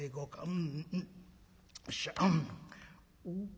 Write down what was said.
うんよっしゃ」。